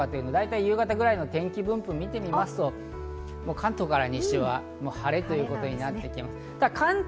大体、夕方ぐらいの天気分布を見てみますと、関東から西は晴れということになってきます。